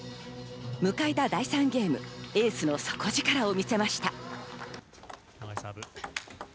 迎えた第３ゲーム、エースの底力を見せました。